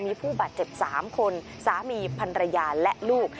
มีผู้บาดเจ็บ๓คนสามีพันรยาและลูก